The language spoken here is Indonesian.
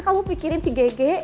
kamu pikirin si gege